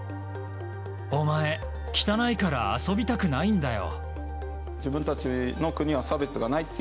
お前、汚いから遊びたくないんだよ。